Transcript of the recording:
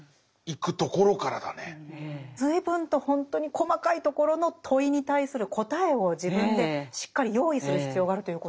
随分とほんとに細かいところの問いに対する答えを自分でしっかり用意する必要があるということですね。